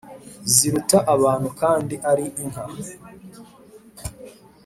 Ziruta abantu kandi ari inka.